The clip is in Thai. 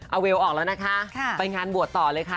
เอาเวลออกแล้วนะคะไปงานบวชต่อเลยค่ะ